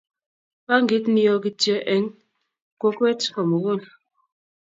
bankit nie kityo eng' kokwet ko mugul.